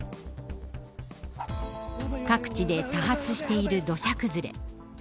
各地で多発している土砂崩れ。